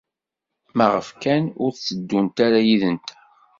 Maɣef kan ur tteddunt ara yid-nteɣ?